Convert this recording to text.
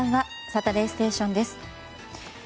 「サタデーステーション」です。